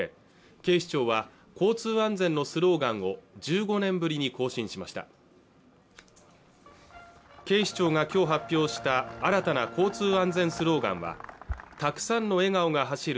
警視庁は交通安全のスローガンを１５年ぶりに更新しました警視庁がきょう発表した新たな交通安全スローガンはたくさんの笑顔が走る